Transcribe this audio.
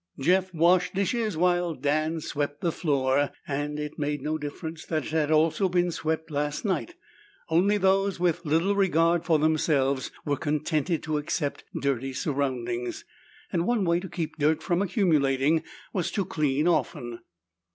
Jeff washed dishes while Dan swept the floor, and it made no difference that it had also been swept last night. Only those with little regard for themselves were contented to accept dirty surroundings, and one way to keep dirt from accumulating was to clean often.